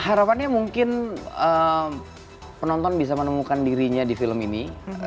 harapannya mungkin penonton bisa menemukan dirinya di film ini